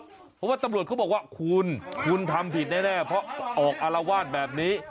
เพราะว่าตำรวจเขาบอกว่าคุณคุณทำผิดแน่เพราะออกอารวาสแบบนี้